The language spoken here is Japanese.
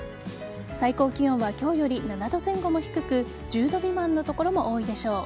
最高気温は今日より７度前後も低く１０度未満の所も多いでしょう。